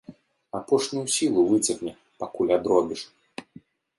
Апошнюю сілу выцягне, пакуль адробіш.